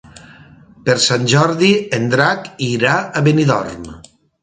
Per Sant Jordi en Drac irà a Benidorm.